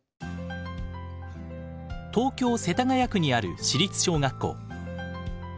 東京・世田谷区にある私立小学校。